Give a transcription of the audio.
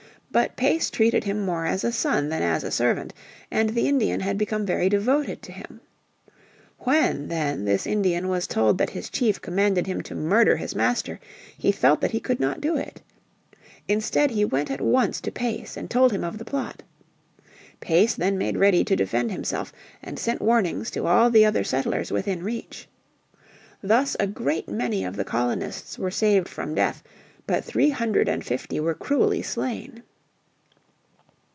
But Pace treated him more as a son than as a servant, and the Indian had become very devoted to him. When, then, this Indian was told that his chief commanded him to murder his master he felt that he could not do it. Instead, he went at once to Pace and told him of the plot. Pace then made ready to defend himself, and sent warnings to all the other settlers within reach. Thus a great many of the colonists were saved from death, but three hundred and fifty were cruelly slain.